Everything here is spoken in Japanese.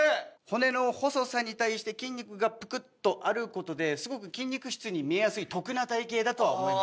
骨の細さに対して筋肉がプクッとある事ですごく筋肉質に見えやすい得な体形だとは思います。